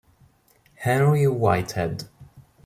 Henry Whitehead